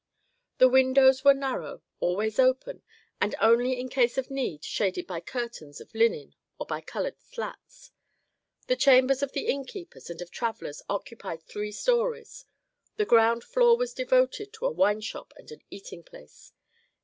The windows were narrow, always open, and only in case of need shaded by curtains of linen or by colored slats. The chambers of the innkeeper and of travellers occupied three stories; the ground floor was devoted to a wineshop and an eating place.